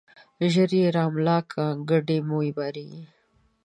ژر يې را ملا که ، کډي مو بارېږي.